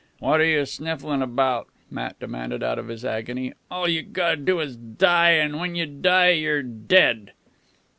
"What are you snifflin' about!" Matt demanded out of his agony. "All you got to do is die. An' when you die you're dead."